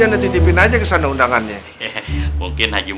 paku paku dicabutin dong